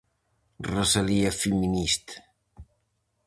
Rosalía feminista.